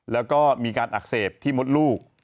แล้วก็มีการอักเสบที่มดลูก